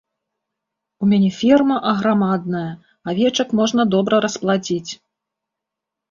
У мяне ферма аграмадная, авечак можна добра распладзіць.